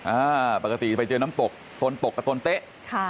อ่าปกติไปเจอน้ำตกตนตกกับตนเต๊ะค่ะ